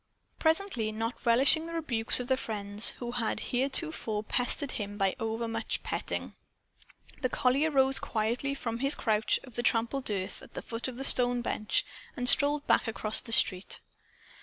Presently, not relishing the rebukes of the friends who had heretofore pestered him by overmuch petting, the collie arose quietly from his couch of trampled earth at the foot of the stone bench and strolled back across the street.